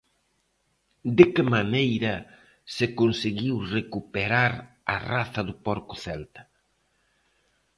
De que maneira se conseguiu recuperar a raza do porco celta?